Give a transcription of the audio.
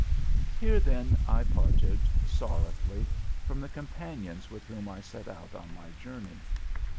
Here, then, I parted, sorrowfully, from the companions with whom I set out on my journey.